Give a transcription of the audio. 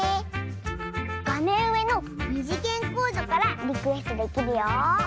がめんうえのにじげんコードからリクエストできるよ！